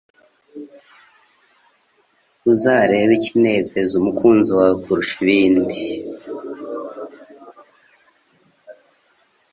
uzarebe ikinezeza umukunzi wawe kurusha ibindi